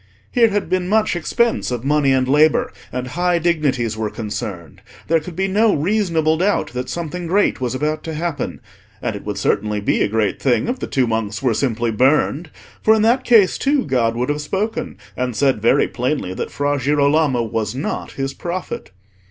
Here had been much expense of money and labour, and high dignities were concerned. There could be no reasonable doubt that something great was about to happen; and it would certainly be a great thing if the two monks were simply burned, for in that case too God would have spoken, and said very plainly that Fra Girolamo was not His prophet.